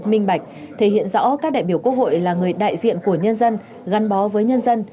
minh bạch thể hiện rõ các đại biểu quốc hội là người đại diện của nhân dân gắn bó với nhân dân